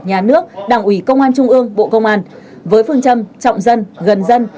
nhà nước đảng ủy công an trung ương bộ công an với phương châm trọng dân gần dân